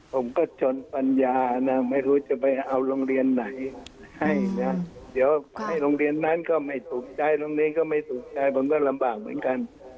ผมก็ชนปัญญานะไม่รู้จะไปเอาโรงเรียนไหนให้นะเดี๋ยวให้โรงเรียนนั้นก็ไม่ถูกใจโรงเรียนก็ไม่ถูกใจผมก็ลำบากเหมือนกัน